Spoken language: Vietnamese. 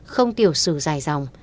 không tiểu sử dài dòng